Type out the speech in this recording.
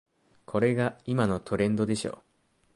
これが今のトレンドでしょ